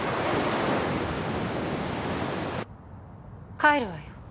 帰るわよ